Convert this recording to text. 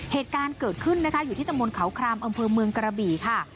เหตุการณ์เกิดขึ้นนะคะอยู่ที่ตะมนต์เขาครามอำเภอเมืองกระบี่ค่ะ